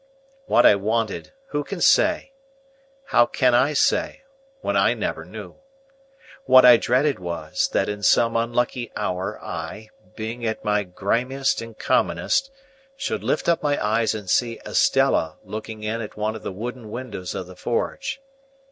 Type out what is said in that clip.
What I wanted, who can say? How can I say, when I never knew? What I dreaded was, that in some unlucky hour I, being at my grimiest and commonest, should lift up my eyes and see Estella looking in at one of the wooden windows of the forge.